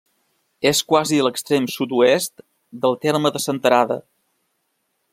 És quasi a l'extrem sud-oest del terme de Senterada.